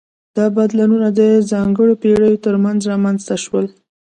دا بدلونونه د ځانګړو پیړیو ترمنځ رامنځته شول.